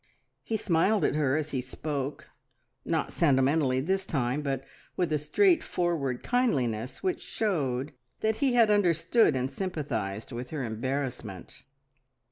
He smiled at her as he spoke, not sentimentally this time, but with a straightforward kindliness which showed that he had understood and sympathised with her embarrassment.